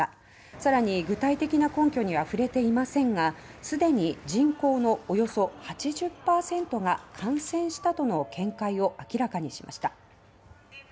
さらに具体的な根拠にはふれていませんが既に人口のおよそ８０％が感染したとの見解を明らかにしました。